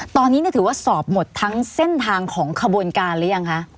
ตอนนี้ถือว่าสอบหมดทั้งเส้นทางของขบวนการหรือยังคะ